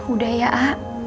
udah ya a